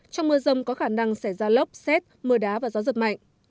trong mưa rông có khả năng xảy ra lốc xét mưa đá và gió giật mạnh